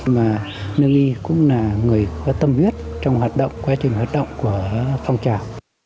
mà lương y cũng là người có tâm huyết trong hoạt động quá trình hoạt động của phong trào